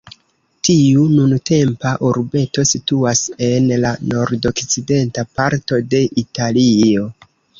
Tiu nuntempa urbeto situas en la nordokcidenta parto de Italio.